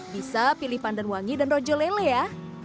bisa pilih pandan wangi dan rojo lele ya